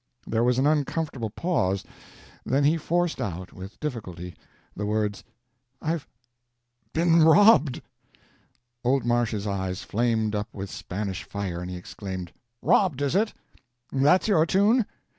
There was an uncomfortable pause—then he forced out, with difficulty, the words: "I've—been robbed!" Old Marsh's eyes flamed up with Spanish fire, and he exclaimed: "Robbed, is it? That's your tune?